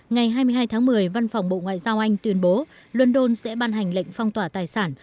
ngày hai mươi hai tháng một mươi văn phòng bộ ngoại giao anh tuyên bố london sẽ ban hành lệnh phong tỏa tài sản